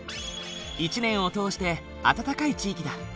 一年を通して暖かい地域だ。